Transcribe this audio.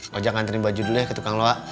lo jangan kanterin baju dulu ya ke tukang lo ak